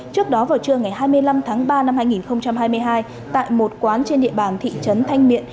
trước đó vào trưa ngày hai mươi năm tháng ba năm hai nghìn hai mươi hai tại một quán trên địa bàn thị trấn thanh miện